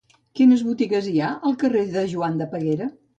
Quines botigues hi ha al carrer de Joan de Peguera?